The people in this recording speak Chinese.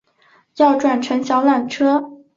要转乘小缆车